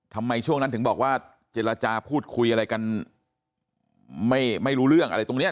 ทำไมช่วงนั้นถึงบอกว่าเจรจาพูดคุยอะไรกันไม่รู้เรื่องอะไรตรงนี้